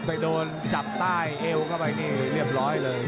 ไปโดนจับใต้เอวเข้าไปนี่เรียบร้อยเลย